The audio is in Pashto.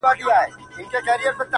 خپه سو صرف يو غاړه چي هم ور نه کړله